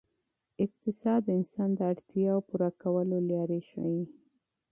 اقتصاد د انسان د اړتیاوو پوره کولو لارې ښيي.